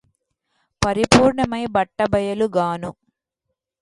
పరిపూర్ణమై బట్టబయలుగాను